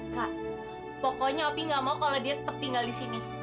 kak pokoknya opi ga mau kalo dia tetep tinggal disini